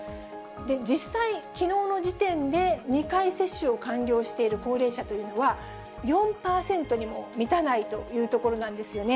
実際、きのうの時点で２回接種を完了している高齢者というのは、４％にも満たないというところなんですよね。